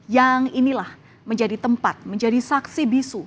yang inilah menjadi tempat menjadi saksi bisu